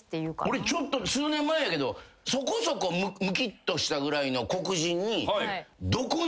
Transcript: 俺数年前やけどそこそこむきっとしたぐらいの黒人に。